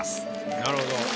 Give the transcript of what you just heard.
なるほど。